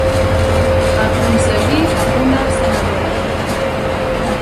Aconseguí una senadora.